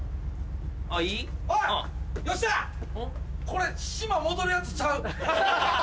これ島戻るやつちゃう。